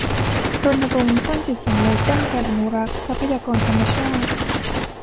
รณรงค์สร้างจิตสำนึกด้านการอนุรักษ์ทรัพยากรธรรมชาติ